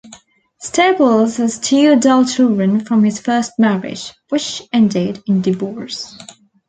Staples has two adult children from his first marriage, which ended in divorce.